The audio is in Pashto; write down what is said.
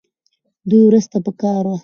دې ورځ ته پکار وه